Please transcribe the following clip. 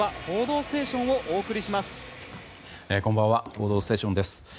「報道ステーション」です。